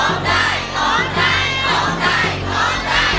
ร้องได้ร้องได้ร้องได้ร้องได้